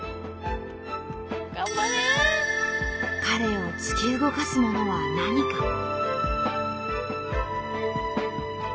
彼を突き動かすものは何か？